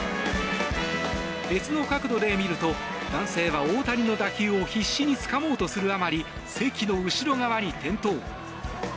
別の角度で見ると男性は大谷の打球を必死につかもうとするあまり席の後ろ側に転倒。